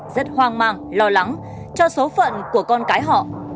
rất hoang mang lo lắng cho số phận của con cái họ